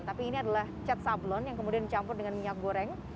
tapi ini adalah cat sablon yang kemudian dicampur dengan minyak goreng